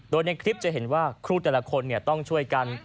โดยในคลิปจะเห็นว่าครูแต่ละคนต้องช่วยกัน